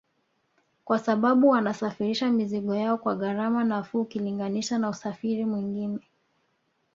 Kwa sababu wanasafirisha mizigo yao kwa gharama nafuu ukilinganisha na usafiri mwingine